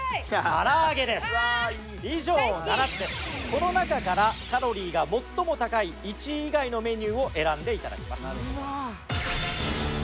この中からカロリーが最も高い１位以外のメニューを選んで頂きます。